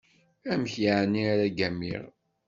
Amek yeɛni ara ggamiɣ?